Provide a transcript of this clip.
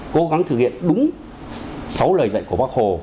cố gắng thực hiện đúng sáu lời dạy của bác hồ